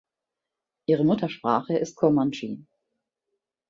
Ihre Muttersprache ist Kurmandschi.